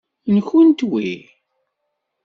Nwent wi?